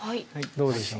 どうでしょう。